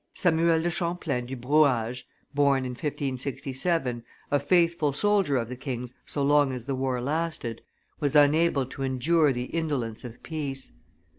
Samuel de Champlain du Brouage, born in 1567, a faithful soldier of the king's so long as the war lasted, was unable to endure the indolence of peace.